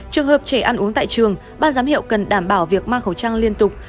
trường hợp trẻ ăn uống tại trường ban giám hiệu cần đảm bảo việc mang khẩu trang liên tục